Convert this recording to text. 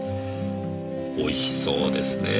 美味しそうですねえ。